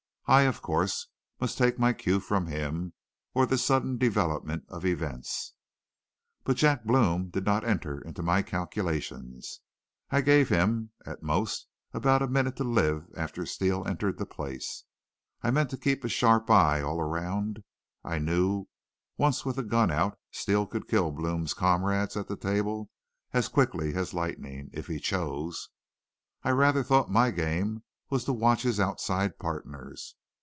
I, of course, must take my cue from him, or the sudden development of events. "But Jack Blome did not enter into my calculations. I gave him, at most, about a minute to live after Steele entered the place. I meant to keep sharp eyes all around. I knew, once with a gun out, Steele could kill Blome's comrades at the table as quick as lightning, if he chose. I rather thought my game was to watch his outside partners.